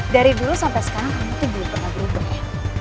dari dulu sampai sekarang kamu tuh belum pernah berhubung ya